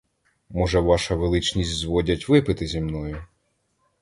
Може, ваша величність зводять випити зі мною!!